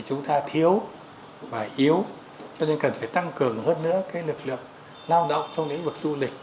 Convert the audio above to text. chúng ta thiếu và yếu cho nên cần phải tăng cường hơn nữa lực lượng lao động trong lĩnh vực du lịch